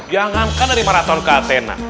jangankan dari maraton ke athena